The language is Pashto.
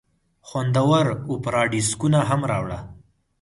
خوندور اوپيراډیسکونه هم راوړه.